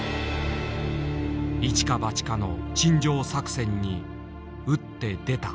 一か八かの陳情作戦に打って出た。